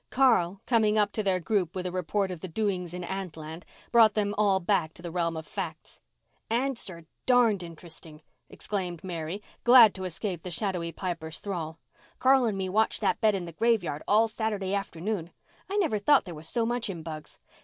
Carl, coming up to their group with a report of the doings in ant land, brought them all back to the realm of facts. "Ants are darned in'resting," exclaimed Mary, glad to escape the shadowy Piper's thrall. "Carl and me watched that bed in the graveyard all Saturday afternoon. I never thought there was so much in bugs.